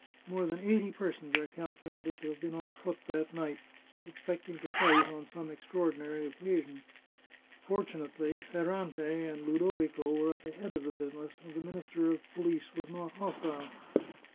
More than eighty persons are calculated to have been on foot that night, expecting to fight on some extraordinary occasion. Fortu nately Ferrante and Ludovico were at the head of the busi ness, and the Minister of Police was not hostile.